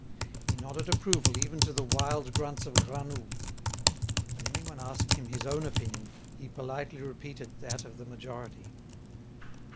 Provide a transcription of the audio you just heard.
He nodded approval even to the wild grunts of Granoux. When anyone asked him his own opinion, he politely repeated that of the majority.